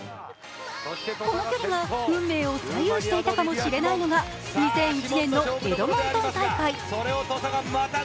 この距離が運命をを左右していたかもしれないのが２００１年のエドモントン大会。